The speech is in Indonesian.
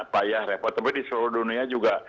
payah repot tapi di seluruh dunia juga